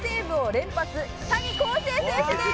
谷晃生選手です。